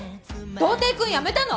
童貞君辞めたの？